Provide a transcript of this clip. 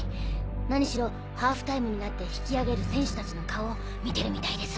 何しろハーフタイムになって引きあげる選手たちの顔を見てるみたいです。